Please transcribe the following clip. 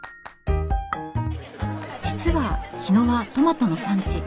実は日野はトマトの産地。